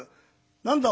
「何だ？